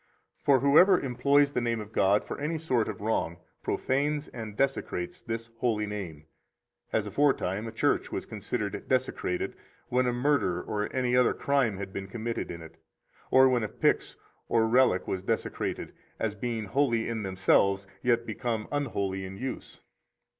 For whoever employs the name of God for any sort of wrong profanes and desecrates this holy name, as aforetime a church was considered desecrated when a murder or any other crime had been committed in it, or when a pyx or relic was desecrated, as being holy in themselves, yet become unholy in use.